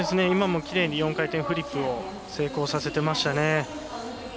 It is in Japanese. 今も、きれいに４回転フリップ成功させてましたね。